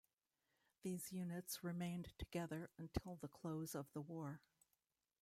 These units remained together until the close of the war.